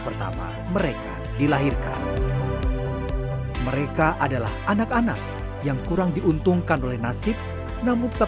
pertama mereka dilahirkan mereka adalah anak anak yang kurang diuntungkan oleh nasib namun tetap